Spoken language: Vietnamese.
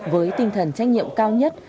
với tinh thần trách nhiệm cao nhất